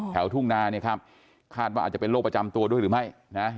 ทุ่งนาเนี่ยครับคาดว่าอาจจะเป็นโรคประจำตัวด้วยหรือไม่นะ